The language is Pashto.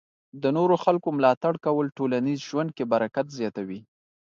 د نورو خلکو ملاتړ کول ټولنیز ژوند کې برکت زیاتوي.